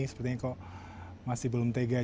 sepertinya kok masih belum tega